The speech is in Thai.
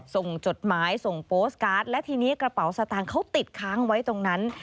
จดหมายส่งโปสตการ์ดและทีนี้กระเป๋าสตางค์เขาติดค้างไว้ตรงนั้น